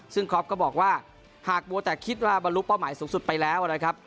ซึ่งคอปก็บอกว่าหากมัวแต่คิดว่าบรรลุเป้าหมายสูงสุดไปแล้วนะครับ